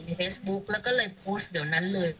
เฟซบุ๊กแล้วก็เลยโพสต์เดี๋ยวนั้นเลย